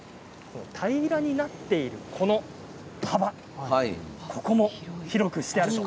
平らになっている、この幅ここも広くしてあります。